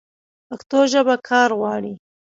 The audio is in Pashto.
پښتو ژبه کار غواړي.